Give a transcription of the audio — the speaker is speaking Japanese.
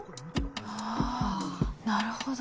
あぁなるほど。